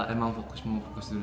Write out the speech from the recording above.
emang fokus dulu